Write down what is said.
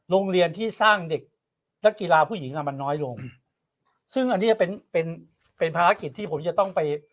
โรงเรียนที่สร้างเด็กนักกีฬาผู้หญิงอ่ะมันน้อยลงซึ่งอันนี้จะเป็นเป็นภารกิจที่ผมจะต้องไป